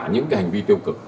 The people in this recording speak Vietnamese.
những hành vi tiêu cực